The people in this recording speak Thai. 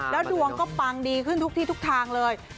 แล้วดวงก็ปังดีขึ้นทุกที่ทุกทางเลย